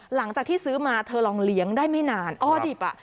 หลังจากที่ซื้อมาเธอลองเลี้ยงได้ไม่นานออดิบอ่ะ